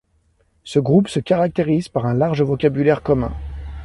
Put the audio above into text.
Ce groupe se caractérise par un large vocabulaire commun.